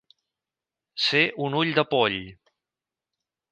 Ser un ull de poll.